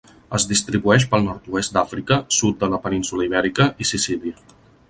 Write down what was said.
Es distribueix pel nord-oest d'Àfrica, sud de la península Ibèrica i Sicília.